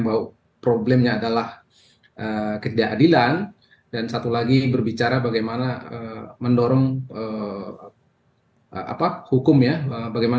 bahwa problemnya adalah kejadilan dan satu lainnya adalah kejadilan dan kemudian ada yang menyampaikan